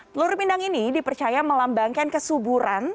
telur pindang ini dipercaya melambangkan kesuburan